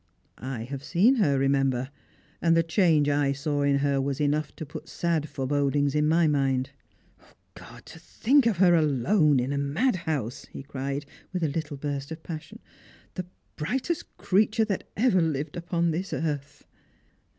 I have seen her, remember, and the change I saw in her was enough to put sad forebodings into my mind. God, to think of her alone in a madhouse," he cried, with a httle burst of passion, " the brightest creature that ever Lived upon this earth!"